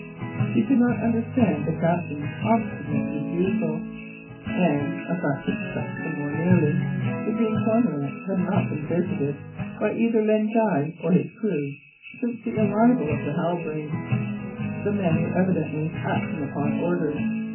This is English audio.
He could not understand the captain's obstinate refusal. And a fact which touched him more nearly the Green Cormorant had not been visited by either Len Guy or his crew since the arrival of the Halbrane. The men were evidently acting upon orders.